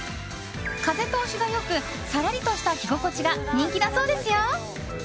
風通しが良く、さらりとした着心地が人気だそうですよ。